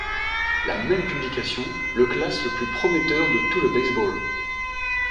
La même publication le classe le plus prometteur de tout le baseball.